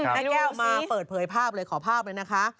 แม่แก้วมาเปิดเผยภาพเลยขอภาพเลยนะคะ